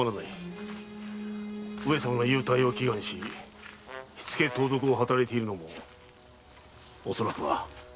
上様の勇退を祈願し火付け盗賊を働いているのも恐らくは。